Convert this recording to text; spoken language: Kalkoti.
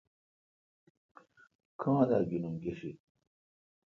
گاں دہ گݨوم گیشد۔؟